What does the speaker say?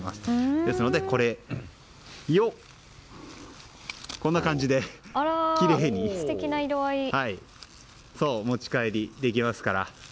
ですので、これをこんな感じできれいに持ち帰りができますから。